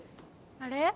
あれ？